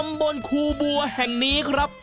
บนครูบัวแห่งนี้ครับ